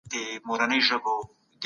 ناوړه فکرونو ته ځای نه ورکول کېږي.